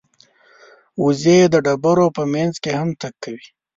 وزې د ډبرو په منځ کې هم تګ کوي